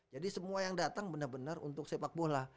jadi semua yang datang benar benar untuk sepak bola